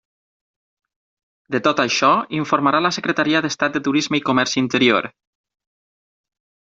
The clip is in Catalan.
De tot això informarà la Secretaria d'Estat de Turisme i Comerç Interior.